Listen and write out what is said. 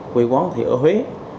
quê quán thì ở huế